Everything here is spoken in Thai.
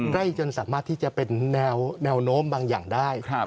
จนสามารถที่จะเป็นแนวโน้มบางอย่างได้